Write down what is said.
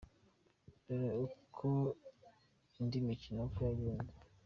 Dore uko indi mikino uko yangenze:.